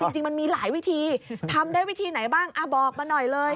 จริงมันมีหลายวิธีทำได้วิธีไหนบ้างบอกมาหน่อยเลย